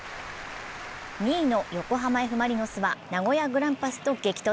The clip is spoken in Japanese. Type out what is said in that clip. ２位の横浜Ｆ・マリノスは名古屋グランパスと激突。